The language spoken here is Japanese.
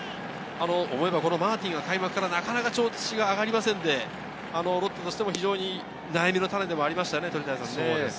マーティンが開幕からなかなか調子が上がりませんで、ロッテとしても悩みの種でもありましたよね。